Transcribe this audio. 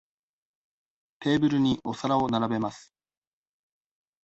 テーブルにお皿を並べます。